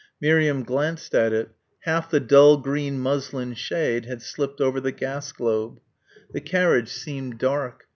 Miriam glanced at it half the dull green muslin shade had slipped over the gas globe. The carriage seemed dark.